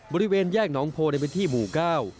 บริเวณแยกหนองโพในพื้นที่หมู่เก้า